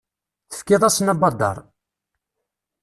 Tefkiḍ-asen abadaṛ.